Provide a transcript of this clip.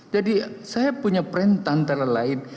jadi saya punya perintah antara lain